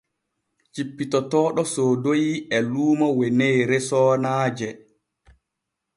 Cippitotooɗo soodoyi e luumo weneere soonaaje.